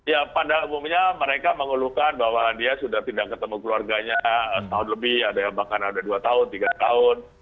ya pada umumnya mereka mengeluhkan bahwa dia sudah tidak ketemu keluarganya setahun lebih bahkan ada dua tahun tiga tahun